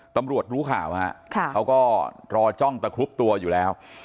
รู้ข่าวฮะเขาก็รอจ้องตะครุบตัวอยู่แล้ว